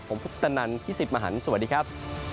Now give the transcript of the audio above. ผมพุทธนันที่๑๐มหันสวัสดีครับ